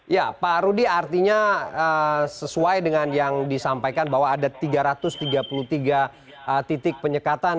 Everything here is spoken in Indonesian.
ya pak rudy artinya sesuai dengan yang disampaikan bahwa ada tiga ratus tiga puluh tiga titik penyekatan